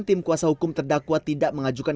tim kuasa hukum terdakwa tidak mengajukan